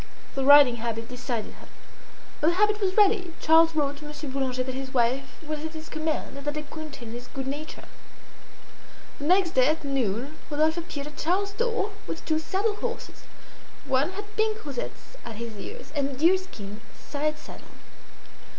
The riding habit decided her. When the habit was ready, Charles wrote to Monsieur Boulanger that his wife was at his command, and that they counted on his good nature. The next day at noon Rodolphe appeared at Charles's door with two saddle horses. One had pink rosettes at his ears and a deerskin side saddle.